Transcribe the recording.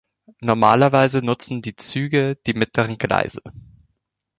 Normalerweise nutzen die Züge die mittleren Gleise.